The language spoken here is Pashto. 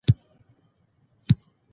شفافیت باور پیدا کوي